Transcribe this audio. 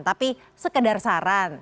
tapi sekedar saran